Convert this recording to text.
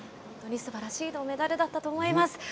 本当にすばらしい銅メダルだったと思います。